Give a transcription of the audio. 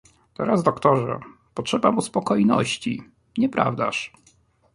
"Teraz, doktorze, potrzeba mu spokojności, nieprawdaż?"